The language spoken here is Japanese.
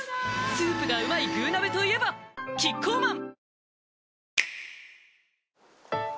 スープがうまい「具鍋」といえばキッコーマン